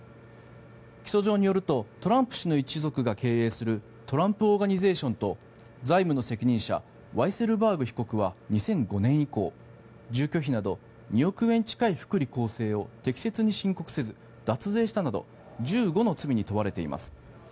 起訴状によるとトランプ氏の一族が経営するトランプ・オーガニゼーションと財務の責任者ワイセルバーグ被告は２００５年以降住居費など２億円近い福利厚生を適切に申告せず脱税したなど１５の罪に問われています。